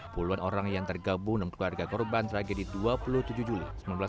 puluhan orang yang tergabung dalam keluarga korban tragedi dua puluh tujuh juli seribu sembilan ratus enam puluh